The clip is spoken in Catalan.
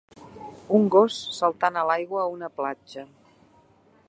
Un gos saltant a l'aigua a una platja.